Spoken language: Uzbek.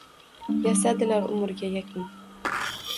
Yasadilar umrga yakun.